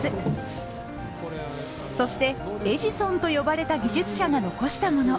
そしてエジソンと呼ばれた技術者が残したもの。